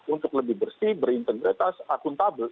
untuk lebih bersih berintegritas akuntabel